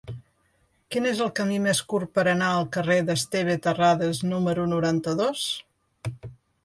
Quin és el camí més curt per anar al carrer d'Esteve Terradas número noranta-dos?